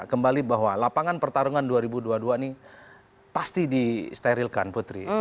kembali bahwa lapangan pertarungan dua ribu dua puluh dua ini pasti disterilkan putri